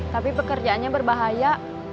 tapi pekerjaannya berbahaya